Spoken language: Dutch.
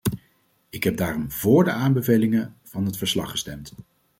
Ik heb daarom vóór de aanbevelingen van het verslag gestemd.